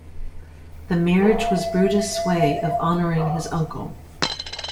The marriage was Brutus' way of honouring his uncle.